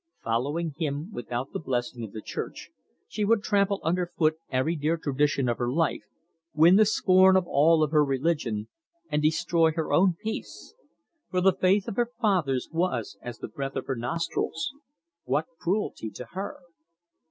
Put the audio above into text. Following him without the blessing of the Church, she would trample under foot every dear tradition of her life, win the scorn of all of her religion, and destroy her own peace; for the faith of her fathers was as the breath of her nostrils. What cruelty to her!